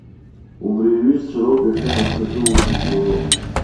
Убри иҩызцәа роуп иахьа ҳазҭагылоу зыбзоуроу.